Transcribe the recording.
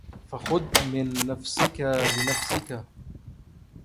فَخُذْ مِنْ نَفْسِك لِنَفْسِك